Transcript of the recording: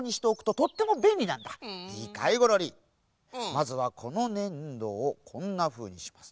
まずはこのねんどをこんなふうにします。